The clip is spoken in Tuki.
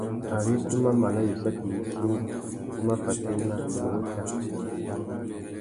Ari tu má mana wissaki yissú, ngu má fatēna, nnú wéta.